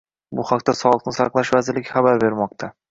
Bu haqda Sog‘liqni saqlash vazirligi xabar bermoqda.